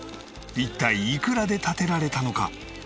一体いくらで建てられたのか？